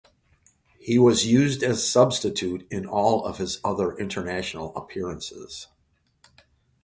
He was used as substitute in all of his other international appearances.